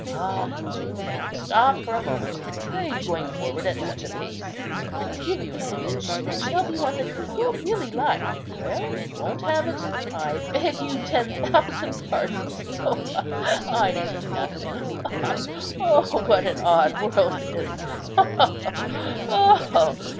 Ah! do now stop for a moment; why are you going forward at such a pace? I'll give you an image: it shall be one that you will really like. Well, you won't have it? I beg you ten thousand pardons. Ha, ha! I mean nothing. Ha, ha, ha! Oh, what an odd world it is! Ha, ha, ha, ha, ha!